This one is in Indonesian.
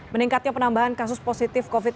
meningkatnya penambahan kasus positif covid sembilan belas